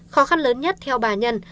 khó khăn lớn nhất theo bà nhân